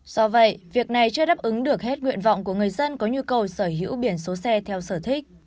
do vậy việc này chưa đáp ứng được hết nguyện vọng của người dân có nhu cầu sở hữu biển số xe theo sở thích